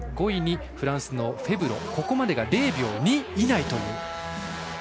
５位にフランスのフェブロここまでが０秒２以内です。